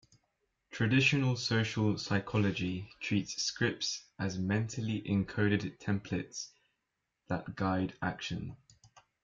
Traditional social psychology treats scripts as mentally encoded templates that guide action.